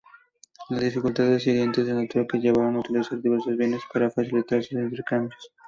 Las dificultades inherentes al trueque llevaron a utilizar diversos bienes para facilitar los intercambios.